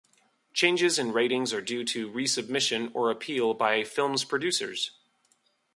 Changes in ratings are due to resubmission or appeal by a film's producers.